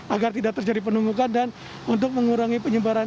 agar tidak terjadi penumpukan dan untuk mengurangi penyebaran